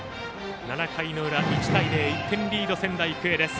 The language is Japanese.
７回の裏、１対０と１点リードの仙台育英。